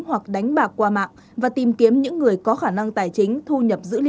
hoặc đánh bạc qua mạng và tìm kiếm những người có khả năng tài chính